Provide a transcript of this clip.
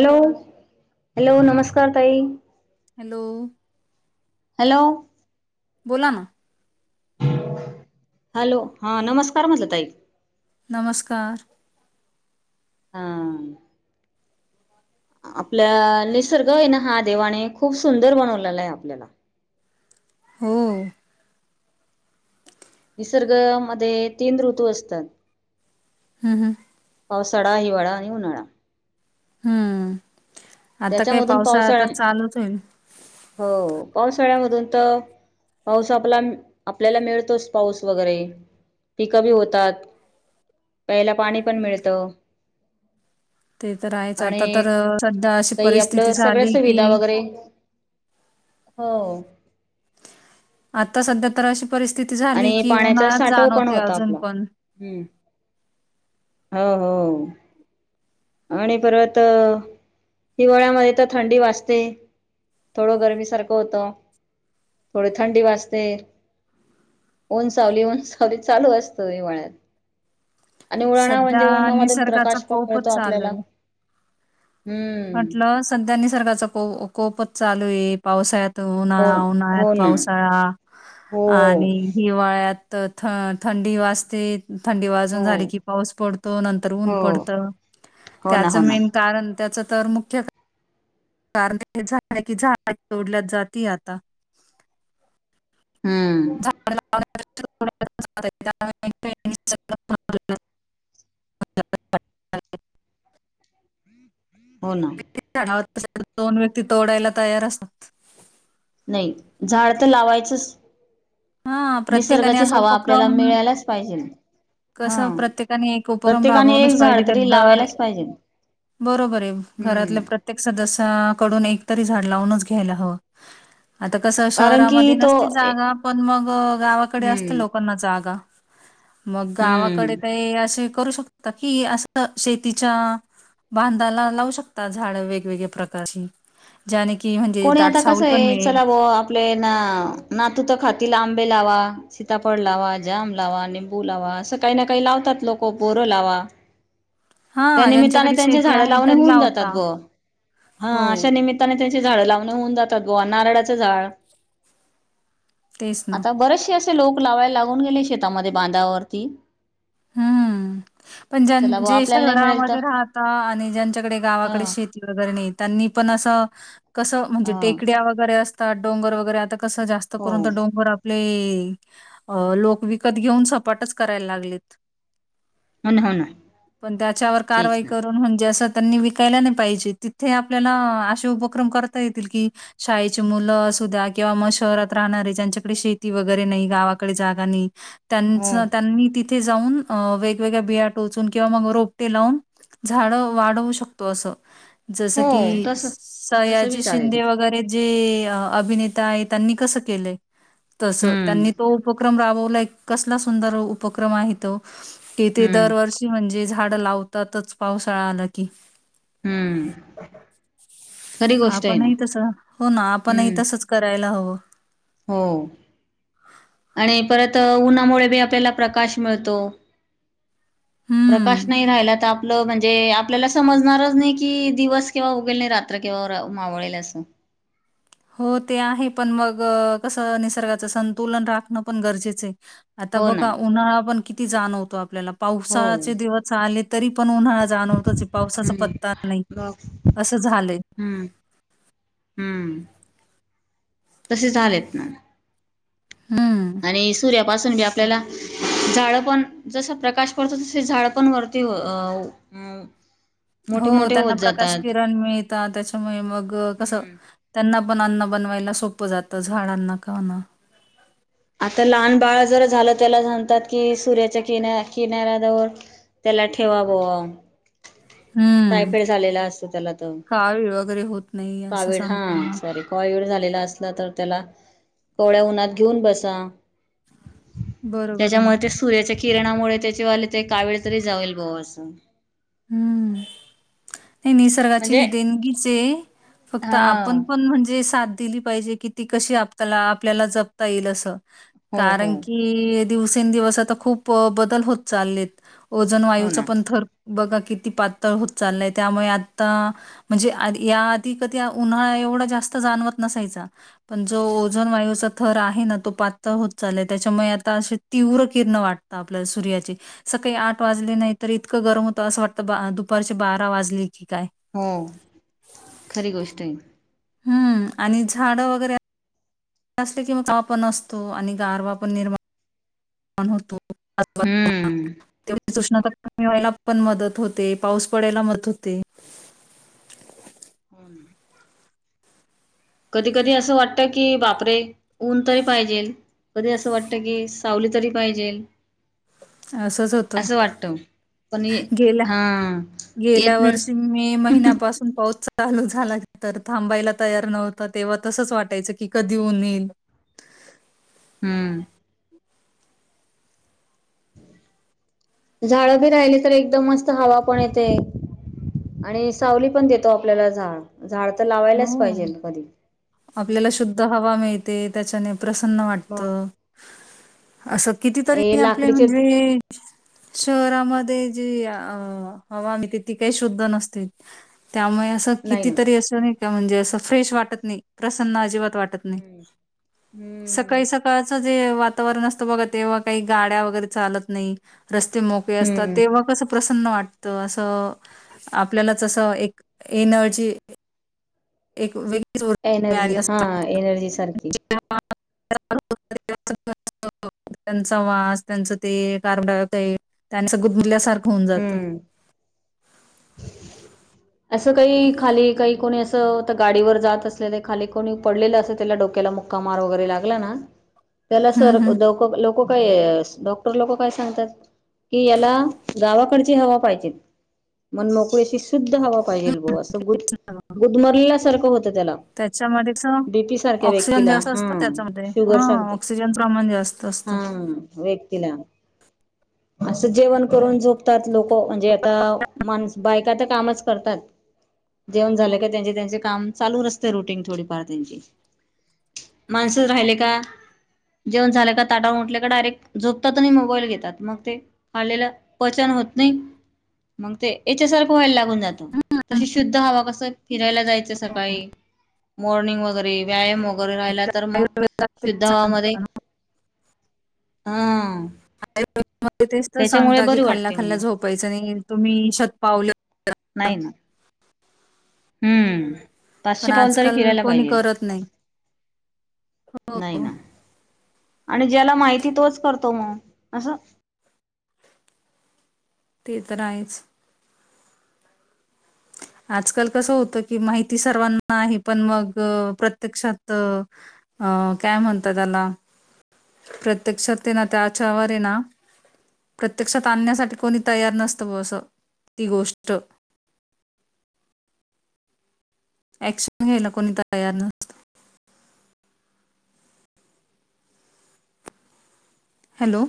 Hello hello नमस्कार ताई hello hello बोला ना हॅलो हा नमस्कार म्हटलं ताई नमस्कार हा आपल्या निसर्ग आहे ना हा देवाण खूप सुंदर बनवलेला आहे आपल्याला. होय. निसर्ग मदे तीन ऋतू असतात. हम् हम्. पावसाळा, हिवाळा आणि उन्हाळा. हम्म. आता काय त्याच्यामधून पावसाळा तर चालूच होईल हो. पावसाळ्यामधून तर पाऊस आपला आपल्याला मिळतोच पाऊस वगैरे पिकं बी होतात. प्यायला पाणी पण मिळत. ते तर आहेच आता तर सध्या ते परिस्थिती आपलं सगळ झाली की सुविधा वगैरे [inaudible] हो. आता सध्या तर अशी परिस्थिती झाली आणि कि पाण्याचा उन्हाळ्यात साठव पण जाणवते होता अजून आपला. पण. [inaudible] हम्म. हो हो. आणि परत हिवाळ्यामध्ये तर थंडी वाजते थोडं गरमीसारखं होतं. थोडी थंडी वाजते ऊन- सावली, ऊन-सावली चालू असत हिवाळ्यात. आणि उणाला म्हणजे सध्या उन्हामधून निसर्गाचा प्रकाश पण मिळ कोपच चालू आपल्याला आहे हम्म. म्हटलं सध्या निसर्गाच को-कोप चालू आहे पावसा्ळ्यात. तो हो उन्हाळा उन्हाळ्यात हो ना पावसाळा हो आणि हिवाळ्यात तर थ-थंडी वाजते. थंडी वाजून हो झाली की पाऊस पडतो नंतर ऊन हो. पडत हो ना हो त्याचं ना मेन कारण त्याचं तर मुख्य कारण ते हे झाड हाय की झाड तोडल्या जाती आता. हम्म. [unintelligible] हो ना. [unintelligible] दोन व्यक्ती तोडायला तयार असतात. नाही झाड तर लावायचंच. हां, प्रत्येकाने निसर्गाची असा हवा आपल्याला मिळायलाच पाहिजेल. कस प्रत्येकाने एक उपक्रम एक राबवलाच झाड पाहिजे तरी दर लावायलाच पाहिजे. [inaudible] बरोबर आहे हम्म घरातल्या प्रत्येक सदस्या ना कडून एक तरी झाड लावूनच घ्यायला हं. आता कसं कारण की शहरामध्ये तो नसती जागा पण मग गावाकडे असते हम्म लोकांना जागा. मग गावाकडे हम्म काय अशी करू शकता की अस शेतिच्या बांधाला लावू शकता झाडं वेगवेगळ्या प्रकारची ज्याने की म्हणजे कोणी दाट आता कस सावली पण आहे मिळेल. चला आपले ना नातूत खातील आं आंबे लावा सीताफळ लावा जाम लावा निंबू लावा असं काही ना काही लावतात लोक बोरो लावा त्या हा निमित्ताने ज्यांच्याकडे त्यांची शेती झाड आहे लाव तरी होऊन जातात लावता ब हा हो अशा निमित्ताने झाड लाव होऊन जातात गोवा नारळाचं झाड तेच ना. आता बरचसे अस लोक लावायला लागून गेले शेतामध्ये बांधावरती हम्म पण ज्यां चला बुवा जे आपल्याला नाही मिळेल तर शहरामध्ये राहत आणि ज्यांच्याकडे हा गावाकडे शेती वगैरे न त्यांनी पण असं कसं म्हणजे हा टेकड्या वगैरे असत डोंगर वगैरे आ कं जास्त करून हो डोंगर आपले अ लोक विकत घेऊन सपाटच करायला लागलेत हो ना हो ना पण त्याच्यावर तेच कारवाई ना करून म्हजेस त्यांनी विकायला नाही पाहिजे तिथे आपल्याला असे उपक्रम करता येतील कि शाळेचे मुलं असध्या किंवा म शहरात राहणारे ज्यांच्याकडे शेती वगैरे नाही गावाकडे जागा नाही हो त्यांच त्यांनी ते जाऊन अ वेगवेगळ्या बिया टोचून किंवा मग रोपटे लावून झाड वाढवू शकतो असं जस हो की तस तस बी सयाजी चालेल ना शिंदे वगैरे जे अभिनेता आहे त्यांनी कसं केलंय तस हम्म त्यांनी तो उपक्रम राबव ला एकक कसला सुंदर उपक्रम आहे त कि ते हम्म दरवर्षी म्हणजे झााड लावतातच पावसाळा न की हम्म खरी [inaudible] [inaudible] गोष्ट आहे आपण ना ह तस हो ना आपणही तसच करायला हवं [inaudible] हम्म [inaudible] आणि परत तर उन्हामुळे बी आपल्याला प्रकाश मिळतो प्रकाश हं. नाही राहिला तर आपलं म्हणजे आपल्याला समजणारच नाही कि दिवस किंवा उगेल नाही रात्र किंवा मावळेल असं हो ते आहे पण मग कसं निसर्गाचं संतुलन राखणं पण गरजेचं आहे आता हो ना बघा उन्हाळा आपण किती त जाणवतो आपल्याला हो पावसाचे दिवस आले तरी पण उन्हाळा जाणवतच पावसाचा हम्म पत्ता नाही मग असं झालंय [inaudible] हम्म [inaudible] तसे चालेत ना हम्म ूनी आपल्याला झाड पण जस प्रकाश पडतो तस झाड पण वरती अ उम हो त्यांना प्रकाश किरण मिळता त्याच्यामुळे मग कसं हम्म त्यांना पण अन्न बनवायला सोपं जात झाडांना का ना [inaudible] आता लहान बाळ जर झालं त्याला सणतात कि सूर्याच्या किन किनाऱ्याजवळ त्याला ठेवा बोवा हं, तायफेड झालेला असतो त्याला तर काळी वगैरे होत नाही [inaudible] असं कावीड हा सांगता हां, सॉरीड झा झलेला असला तर त्याला कवड्या उन्हात घेऊन बसा [inaudible] बरोबर आहे ना. त्याच्यामुळे ते सूर्याचे किरणामुळे त्याचेवाले ते कावेळ तरी जावेल भाऊ असं हम्म [inaudible] हे निसर्गाची ही म्हणजे देणगीचे फक्त [inaudible] हा आपण पण म्हणजे सा दिली पाहिजे, कि ती कशी आपला आपल्याला जपता येईल असं हो कारण हो की दिवसेंदिवस आता खूप बदल होत चाललेत. ओझोन हो वायूचा ना पण थर बघा किती पातळ होत चाललंय त्यामुळे आता म्हणजे आ या आधी कधी उन्हाळा एवढा जास्त जाणवत नसायचा पण जो ओजन वायूचा थर आहे ना तो पातळ होत चाललाय त्याच्यामुळे आता असे तीव्र किरण वाटतं आपल्याला सूर्याचे सकाळी आठ वाजली नाहीत इतकं गरम होत. असं वाटतं दुपारची बारा वाजली. हो खरी गोष्ट आहे. हम्म आणि झाडं वगैरे अस किवा त पण असतो आणि गारवा पण निर्माण ण होतो. हम्म त उष्णता मिळवायला पण मदत होते पाऊस पडायला मदत होते. हम् कधी कधी असं वाटत की बापरे ऊन तरी पाहिजेल कधी असं वाटत की सावली तरी पाहिजेल, असच होत असं वाटतं पण ये गेल्या हा गेल्या येत ना. वर्षी मे महिन्यापासून पाऊस चाल चालू झाला तर थांबायला तयार नव्हत तेव्हा तसच वाटायचं कि कधी ऊन येईल, हम्म झाड बी राहिली तर एकदम मस्त हवा पण येते आणि सावली पण देतो आपल्याला झाड झाड तर हो लावायलाच पाहिजे कधी आपल्याला हम्म शुद्ध हवा मिळते. ते त्याच्याने प्रसन्न वाटत, मग असं कितीतरी हे आपले लाकडीचे म्हणजे, शहरामध्ये जी अ हवामीेत ती काही शुद्ध नसते. त्यामुळे असं नाही ना कितीतरी असं म्हणजे असं फ्रेश वाटत नाही प्रसन्न अजिबात वाटत नाही हम्म हम्म सकाळी सकाळच. जे वातावरण असत बघ तेव्हा काही गाड्या वगैरे चालत नाही. रस्ते मोकळे असतात हम्म तेव्हा कसे प्र वाटतं असं आपल्याला तसं एक एनर्जी. एक वेग. एनर्जी हा एनर्जी सारखी. [inaudible] त्यांचा वास त्यांचं ते कारबड ते त्याचं गुदमरल्यासारखं. होऊन जात. हम्म असं काही खाली काही कोणी असं गाडीवर जात असले खाली कोणी पडलेलं अस त्याला डोक्याला मुक्का मार वगैरे लागला ना. त्याला हं, सर हं. को [unintelligible] को काय डॉक्टर लोक काय सांगतात की याला. गावाकडची हवा पाहिजे मन मोकळे्याशी शुद्ध हवा. हं, पाहिल बॉ असं गूद-गुदमरल्यासारखं. त्याच्यामधेच सारख्या ऑक्सिजन व्यक्तीला जास्त हा असतं त्याच्यामध्ये. शुगर ह! सारख्या ऑक्सिजनचं प्रमाण जास्त असतं. तिला. आसं जेवण- करून झोपतात लोकं म्हणजे आता माणस बायका तर कामच करतात जेवण झालं का त्यांचे त्यांचे काम चालू असते रुटीन थोडीफार त्यांची माणस राहिले का जेवण झालं का ताटावरून उटले का डायरेक झोपतात आणि मोबाईल घेतात. मग ते काडलेलं. पचन होत नई मंग ते येच्यासारकं व्हाय लाग. हून जात हं, तशी शुद त हवा कसं फिरायला जायचं हो. सकाळी. मॉर्निंग वगेरे व्यायाम वग घरी राहिला तर मग आयुर्वेदात शुद्ध हवा मधे सांगता ना. - हम्म! मग ते तेच तर सांगता की खाल्ल्या-खाल्ल्या मला झोपायचं नाइये. तुम्ही शतपावलं. नाई ना. हम्म. पण पाचशे पाऊल तरी आजकाल फिरायला कोणी पाहिजे करत नाइ. हो नाही ओ. ना आणि ज्याला माहिती तोच करतो म. असं! ते तर आहेच. आजकाल कसं होतं की माहिती सर्वांना आहे पण मग प्रत्यक्षात अ अ काय म्हणता त्याला. प्रत्यक्षाते ना त्याच्या वरे ना प्रत्यक्षात आणण्यासाठी कोणी तयार नसतं बॉ असं, ती गोष्ट. ॲक्शन घ्यायला कोणी तयार न [unintelligible] हॅलो!